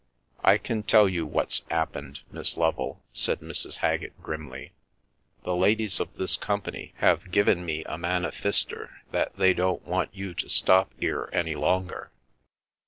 " I can tell you what's 'appened, Miss Lovel, ,, said Mrs. Haggett grimly :" the ladies of this company have given me a mannifister that they don't want you to stop 'ere any longer."